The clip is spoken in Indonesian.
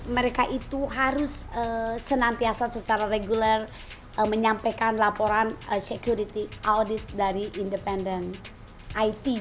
mereka itu harus senantiasa secara reguler menyampaikan laporan security audit dari independent it